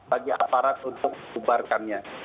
bagi aparat untuk mengubarkannya